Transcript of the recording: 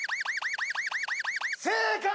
正解！